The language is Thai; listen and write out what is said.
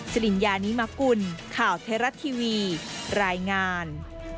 สริญานิมกุลข่าวเทราทีวีรายงาน